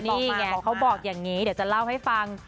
นี่ไงบอกเขาบอกอย่างนี้เดี๋ยวจะเล่าให้ฟัง